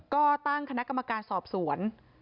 ก็ตั้งคณะกรรมการสอบสวน